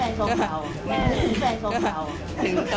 นึกถึงใจสก่าว